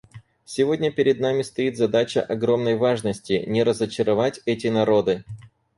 Сегодня перед нами стоит задача огромной важности: не разочаровать эти народы.